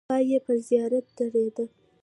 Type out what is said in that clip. پای یې پر زیارت درېده.